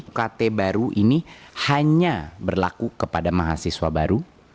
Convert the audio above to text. ukt baru ini hanya berlaku kepada mahasiswa baru